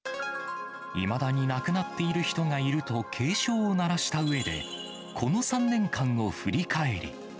いまだに亡くなっている人がいると警鐘を鳴らしたうえで、この３年間を振り返り。